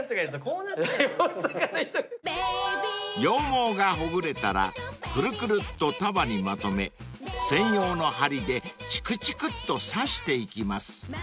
［羊毛がほぐれたらくるくるっと束にまとめ専用の針でちくちくっと刺していきます］